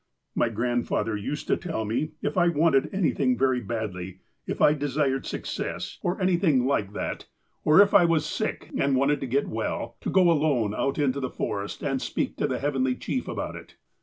"My grandfather used to tell me, if I wanted any thing very badly, if I desired success, or anything like THE RELIGION OF THE TSIMSHEANS 103 that, or if I was sick and wanted to get well, to go alone out into the forest and speak to the Heavenly Chief about it.